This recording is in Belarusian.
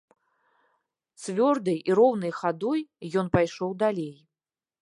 Цвёрдай і роўнай хадой ён пайшоў далей.